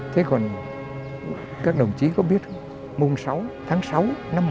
thế còn chúng tôi xin hiến trái tim của tôi chúng tôi cho bác hộ